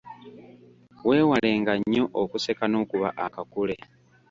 Weewalenga nnyo okuseka n’okuba akakule.